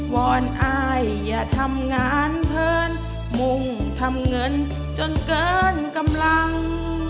วอนอายอย่าทำงานเพลินมุ่งทำเงินจนเกินกำลัง